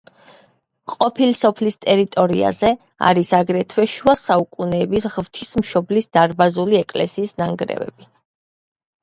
ყოფილ სოფლის ტერიტორიაზე არის აგრეთვე შუა საუკუნეების ღვთისმშობლის დარბაზული ეკლესიის ნანგრევები.